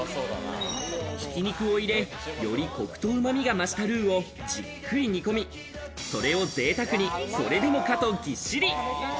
挽肉を入れ、よりコクとうまみがましたルーをじっくり煮込み、それを贅沢に、これでもかと、ぎっしり。